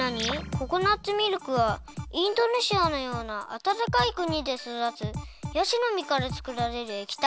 ココナツミルクはインドネシアのようなあたたかいくにでそだつヤシのみからつくられるえきたい。